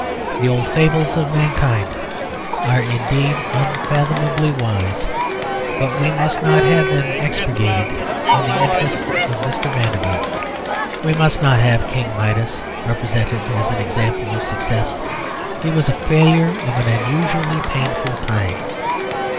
The old fables of mankind are, indeed, unfathomably wise; but we must not have them expurgated in the interests of Mr. Vanderbilt. We must not have King Midas represented as an example of success; he was a failure of an unusually painful kind.